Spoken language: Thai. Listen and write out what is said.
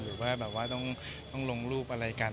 หรือว่าแบบว่าต้องลงรูปอะไรกัน